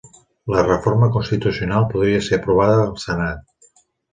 La reforma constitucional podria ser aprovada al senat